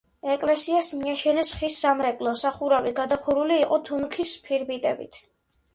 ეკლესიას მიაშენეს ხის სამრეკლო, სახურავი გადახურული იყო თუნუქის ფირფიტებით.